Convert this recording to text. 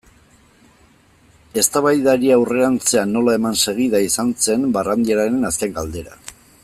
Eztabaidari aurrerantzean nola eman segida izan zen Barandiaranen azken galdera.